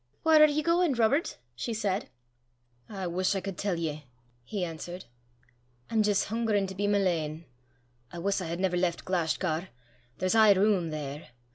"Whaur are ye gauin', Robert?" she said. "I wuss I cud tell ye," he answered. "I'm jist hungerin' to be my lane. I wuss I had never left Glashgar. There's aye room there.